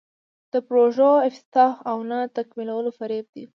د پروژو افتتاح او نه تکمیلول فریب دی.